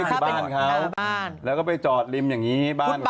คือบ้านเขาบ้านแล้วก็ไปจอดริมอย่างนี้บ้านเขา